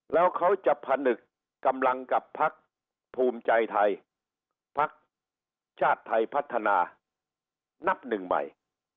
แล้วเขาจะผนึกกำลังกับพักภูมิใจไทยพักชาติไทยพัฒนานับหนึ่งใหม่